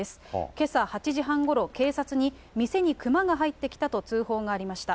けさ８時半ごろ、警察に店にクマが入ってきたと通報がありました。